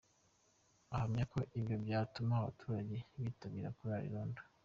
Ahamya ko ibyo byatuma abaturage bitabira kurara irondo.